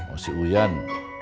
oh si uyan